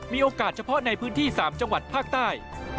มีโอกาสเฉพาะในพื้นที่๓จังหวัดภาคใต้